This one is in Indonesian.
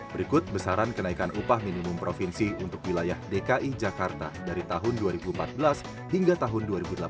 berikut besaran kenaikan upah minimum provinsi untuk wilayah dki jakarta dari tahun dua ribu empat belas hingga tahun dua ribu delapan belas